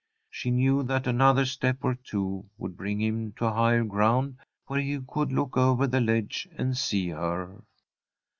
She knew that another step or two would bring him to higher ground, where he could look over the ledge and see her.